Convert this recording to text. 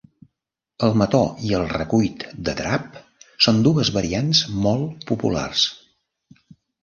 El mató i el recuit de drap són dues variants molt populars.